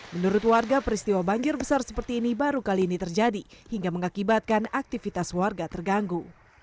menurut warga peristiwa banjir besar seperti ini baru kali ini terjadi hingga mengakibatkan aktivitas warga terganggu